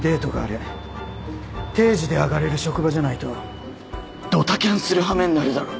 定時で上がれる職場じゃないとドタキャンする羽目になるだろ。